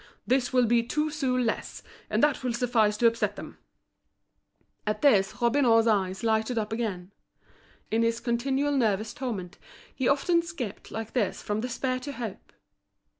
this will be two sous less, and that will suffice to upset them." At this Robineau's eyes lighted up again. In his continual nervous torment, he often skipped like this from despair to hope.